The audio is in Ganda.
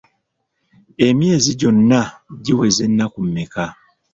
Emyezi gyonna giweza ennaku mmeka?